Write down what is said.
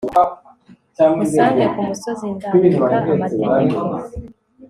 unsange ku musozi ndandika amategeko